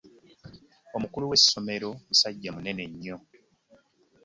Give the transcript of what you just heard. Omukulu we ssomero musajja munene nnyo.